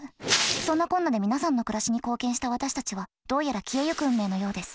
そんなこんなで皆さんの暮らしに貢献した私たちはどうやら消えゆく運命のようです。